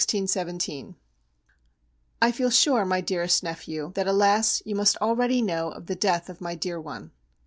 _ I feel sure, my dearest nephew, that, alas! you must already know of the death of my dear one.